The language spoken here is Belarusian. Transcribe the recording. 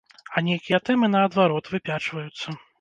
А нейкія тэмы, наадварот, выпячваюцца.